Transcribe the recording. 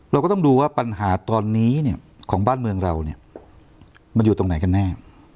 เราก็ต้องดูว่าปัญหาตอนนี้เนี่ยของบ้านเมืองเราเนี่ยมันอยู่ตรงไหนกันแน่